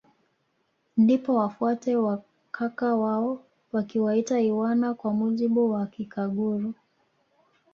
Ndipo wafuate wa kaka wao wakiwaita iwana kwa mujibu wa kikaguru